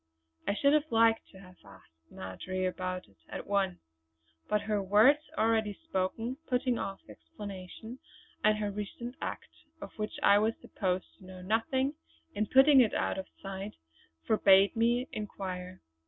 I should have liked to have asked Marjory about it at once; but her words already spoken putting off explanation, and her recent act, of which I was supposed to know nothing, in putting it out of sight, forbade me to inquire.